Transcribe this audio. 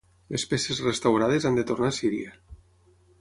Les peces restaurades han de tornar a Síria.